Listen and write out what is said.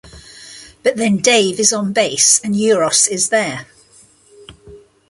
But then Dave is on bass and Euros is there.